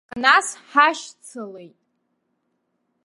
Аха нас ҳашьцылеит.